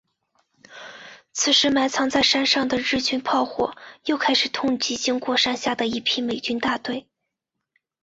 此时埋藏在山上的日军炮火又开始痛击经过山下的一批美军大队。